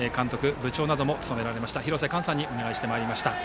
部長なども務められました廣瀬寛さんにお願いしてまいりました。